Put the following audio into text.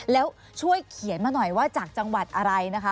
แล้วช่วยเขียนมาหน่อยว่าจากจังหวัดอะไรนะคะ